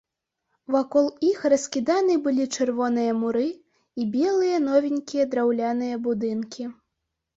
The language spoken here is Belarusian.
Вакол іх раскіданы былі чырвоныя муры і белыя новенькія драўляныя будынкі.